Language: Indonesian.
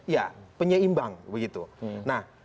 ya penyeimbang begitu nah